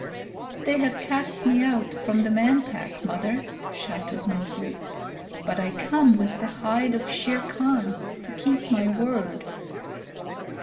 "They have cast me out from the Man Pack, Mother," shouted Mowgli, "but I come with the hide of Shere Khan to keep my word."